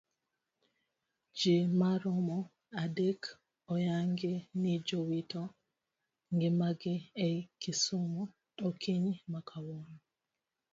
Jii maromo adek oyangi ni jowito ngimagi ei kisumu okinyi makawuono